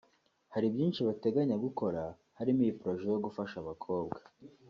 hari byinshi bateganya gukora harimo iyi projet yo gufasha abakobwa